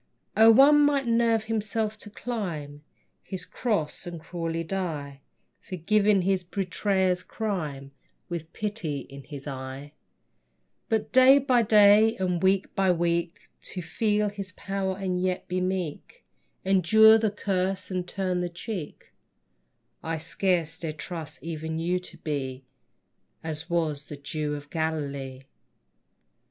O, one might nerve himself to climb His cross and cruelly die, Forgiving his betrayer's crime, With pity in his eye; But day by day and week by week To feel his power and yet be meek, Endure the curse and turn the cheek, I scarce dare trust even you to be As was the Jew of Galilee.